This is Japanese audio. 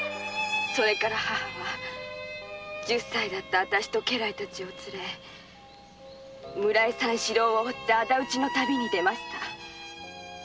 それから母は私と家来たちを連れ村井三四郎を追って敵討ちの旅に出ました。